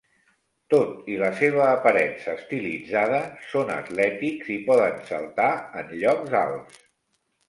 Tot i la seva aparença estilitzada, són atlètics i poden saltar en llocs alts.